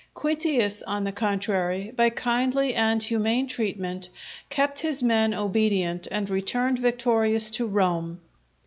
Quintius, on the contrary, by kindly and humane treatment, kept his men obedient and returned victorious to Rome.